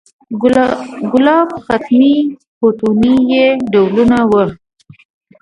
ګلاب، ختمي، فتوني یې ډولونه و.